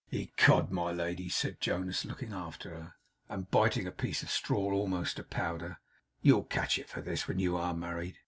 'Ecod, my lady!' said Jonas, looking after her, and biting a piece of straw, almost to powder; 'you'll catch it for this, when you ARE married.